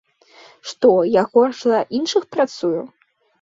Што, я горш за іншых працую?